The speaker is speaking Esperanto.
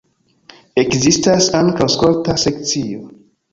Ekzistas ankaŭ skolta sekcio.